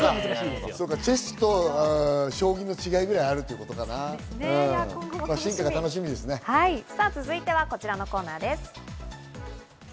チェスと将棋の違いぐらいあ続いてはこちらのコーナーです。